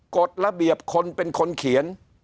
กฎระเบียบคนเป็นคนเขียน